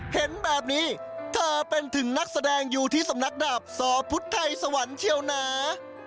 เห็นแบบนี้เธอเป็นถึงนักแสดงอยู่ที่สำนักดาบสอพุทธไทยสวรรค์เชียวหนา